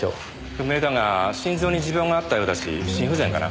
不明だが心臓に持病があったようだし心不全かな。